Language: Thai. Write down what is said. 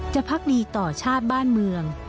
พักดีต่อชาติบ้านเมือง